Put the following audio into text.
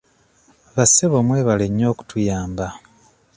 Bassebo mwebale nnyo okutuyamba.